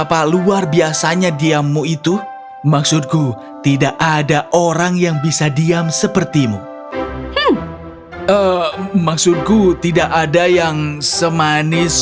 lalu lady whimsical menangis